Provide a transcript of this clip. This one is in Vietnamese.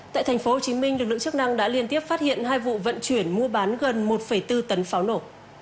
tại tp hcm lực lượng chức năng đã liên tiếp phát hiện hai vụ vận chuyển mua bán gần một bốn tấn pháo nổ